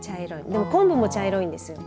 でも、こんぶも茶色いんですよ。